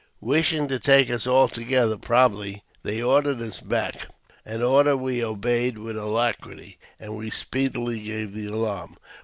Wishing to take us all together, probably, they ordered us back — an order we obeyed with alacrity, and we speedily gave the alarm.